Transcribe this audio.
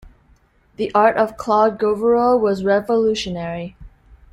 The art of Claude Gauvreau was revolutionary.